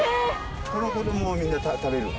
この子供をみんな食べるの。